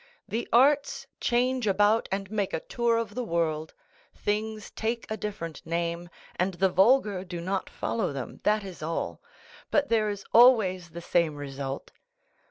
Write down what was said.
The arts change about and make a tour of the world; things take a different name, and the vulgar do not follow them—that is all; but there is always the same result.